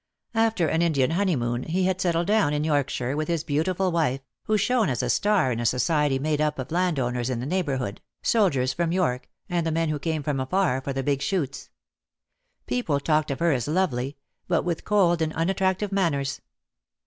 After an Indian honeymoon he DEAD LOVE HAS CHAINS. 295 had settled down in Yorkshire with his beautiful wife, who shone as a star in a society made up of land owners in the neighbourhood, soldiers from York, and the men who came from afar for the big shoots. People talked of her as lovely, but with cold and unattractive manners.